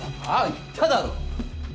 言っただろ！